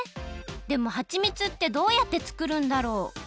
でもはちみつってどうやってつくるんだろう？